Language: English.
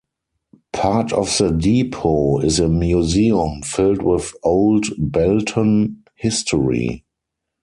Part of the depot is a museum filled with old Belton history.